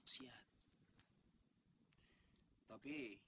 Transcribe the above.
tapi saya tidak melihat secara langsung